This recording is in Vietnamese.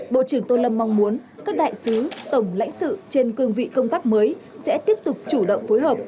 bộ trưởng tô lâm mong muốn các đại sứ tổng lãnh sự trên cương vị công tác mới sẽ tiếp tục chủ động phối hợp